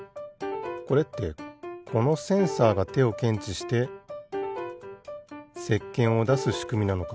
これってこのセンサーがてをけんちしてせっけんをだすしくみなのか。